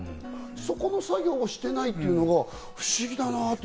そこの作業をしていないというのが不思議だなぁと。